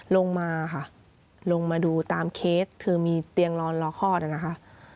ลงมาค่ะลงมาดูตามเคสเธอมีเตียงรอนรอคลอดนะคะ